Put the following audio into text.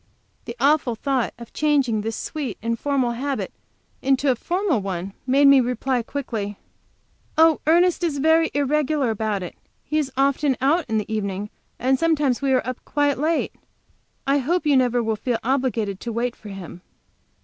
The awful thought of changing this sweet, informal habit into a formal one made me reply quickly: "Oh, Ernest is very irregular about it. He is often out in the evening, and sometimes we are quite late. I hope you never will feel obliged to wait for him."